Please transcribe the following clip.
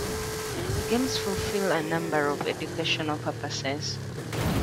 Games fulfill a number of educational purposes.